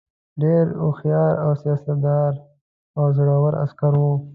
ډېر هوښیار سیاستمدار او زړه ور عسکر وو.